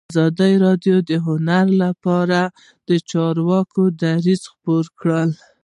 ازادي راډیو د هنر لپاره د چارواکو دریځ خپور کړی.